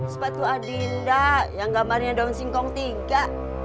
sepatu adinda yang gambarnya daun singkong tiga